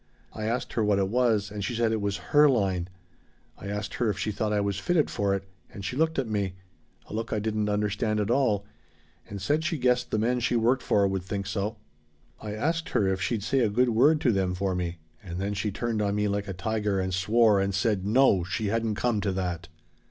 I asked her what it was and she said it was her line. I asked her if she thought I was fitted for it, and she looked at me a look I didn't understand at all and said she guessed the men she worked for would think so. I asked her if she'd say a good word to them for me, and then she turned on me like a tiger and swore and said No, she hadn't come to that!